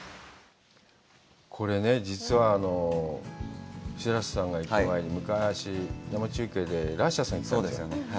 これね、実は白洲さんが行く前、昔、生中継で、ラッシャーさん行ったんですよ。